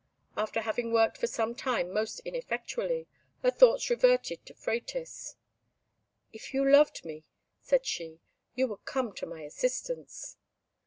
After having worked for some time most ineffectually, her thoughts reverted to Phratis. "If you loved me," said she, "you would come to my assistance."